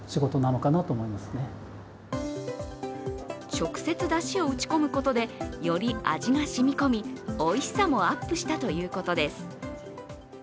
直接だしを打ち込むことでより味が染み込み、おいしさもアップしたということです。